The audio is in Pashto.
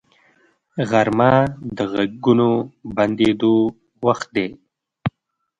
غرمه د غږونو بندیدو وخت دی